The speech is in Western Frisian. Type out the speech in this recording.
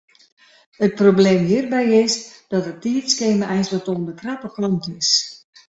It probleem hjirby is dat it tiidskema eins wat oan de krappe kant is.